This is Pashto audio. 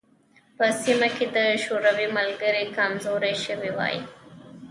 په سیمه کې د شوروي ملګري کمزوري شوي وای.